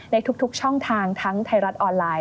ในทุกช่องทางทั้งไทยรัฐออนไลน์